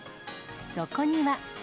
そこには。